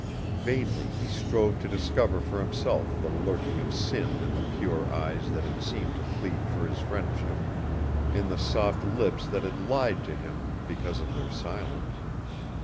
Vainly he strove to discover for himself the lurking of sin in the pure eyes that had seemed to plead for his friendship, in the soft lips that had lied to him because of their silence.